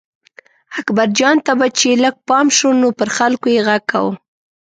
اکبرجان ته به چې لږ پام شو نو پر خلکو یې غږ کاوه.